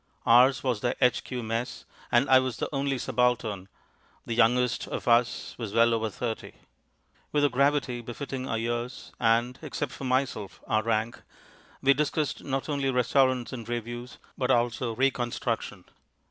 Ours was the H.Q. Mess, and I was the only subaltern; the youngest of us was well over thirty. With a gravity befitting our years and (except for myself) our rank, we discussed not only restaurants and revues, but also Reconstruction.